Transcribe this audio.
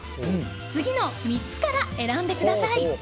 次の３つから選んでください。